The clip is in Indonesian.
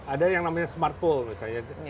ada yang namanya smart pole misalnya